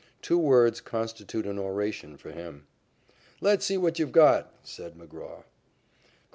Two words constitute an oration for him. "Let's see what you've got," said McGraw.